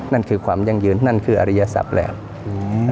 นั่นคือความยั่งยืนนั่นคืออริยศัพท์แล้วอืม